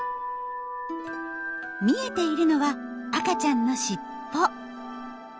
見えているのは赤ちゃんの尻尾。